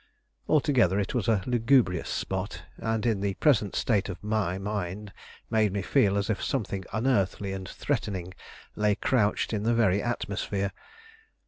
Altogether it was a lugubrious spot, and in the present state of my mind made me feel as if something unearthly and threatening lay crouched in the very atmosphere.